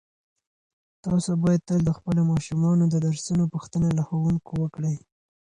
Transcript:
تاسو باید تل د خپلو ماشومانو د درسونو پوښتنه له ښوونکو وکړئ.